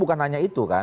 bukan hanya itu kan